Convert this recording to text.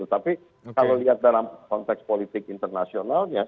tapi kalau lihat dalam konteks politik internasionalnya